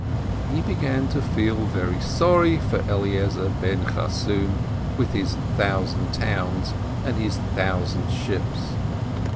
He began to feel very sorry for Reb Eliezer ben Charsum with his thousand towns and his thousand ships.